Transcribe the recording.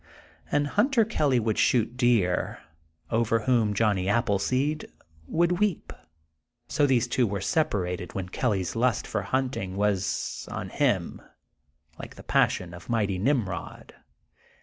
And Hun ter Kelly would shoot deer, over whom Johnny 42 THE GOLDEN BOOK OF SPRINGFIELD Appleseed would weep. So th^se two were separated when Kelly's lust for hunting was on him like the passion of mighty Nimrod.